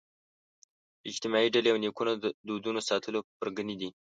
اجتماعي ډلې او نیکونو دودونو ساتلو پرګنې دي